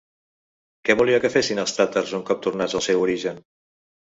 Què volia que fessin els tàtars un cop tornats al seu origen?